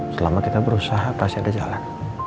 selama kita berusaha pasti ada jalan